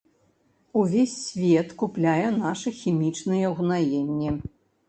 Увесь свет купляе нашы хімічныя ўгнаенні.